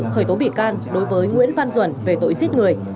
khởi tố bị can đối với nguyễn văn duẩn về tội giết người